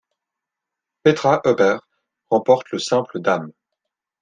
Petra Huber remporte le simple dames.